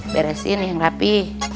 beresin yang rapi